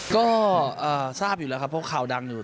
ก็ทราบอยู่แล้วครับเพราะข่าวดังอยู่